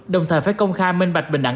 đồng thời phải công khai minh bạch bình đẳng